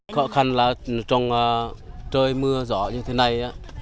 khó khăn là trong trời mưa gió như thế này